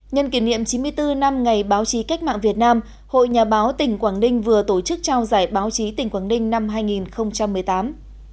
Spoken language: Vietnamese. nhân kỷ niệm chín mươi bốn năm ngày báo chí cách mạng việt nam hội nhà báo tỉnh quảng ninh vừa tổ chức trao giải báo chí tỉnh quảng ninh năm hai nghìn một mươi tám